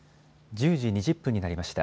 １０時２０分になりました。